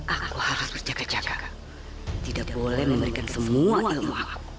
aku harus berjaga jaga tidak boleh memberikan semua ilmu